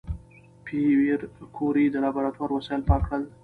پېیر کوري د لابراتوار وسایل پاک کړل.